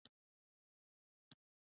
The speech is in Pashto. آیا سرحدونه د سوداګرۍ لپاره خلاص نه دي؟